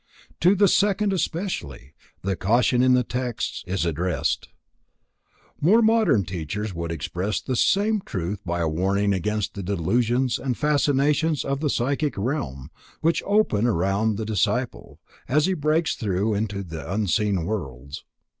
To the second, especially, the caution in the text is addressed. More modern teachers would express the same truth by a warning against the delusions and fascinations of the psychic realm, which open around the disciple, as he breaks through into the unseen worlds.